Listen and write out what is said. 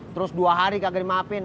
terus dua hari kagak dimaafin